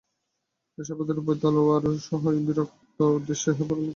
এ সভ্যতার উপায় তলওয়ার, সহায় বীরত্ব, উদ্দেশ্য ইহ-পারলৌকিক ভোগ।